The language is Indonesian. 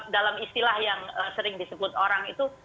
dalam istilah yang sering disebut orang itu